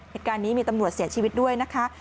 เหตุการณ์นี้มีตำรวจเสียชีวิตด้วยนะคะ